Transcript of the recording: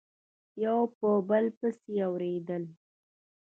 یو په بل پسي اوریدل